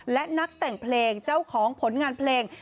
และนักแต่งเพลงเจ้าของผลงานเพลง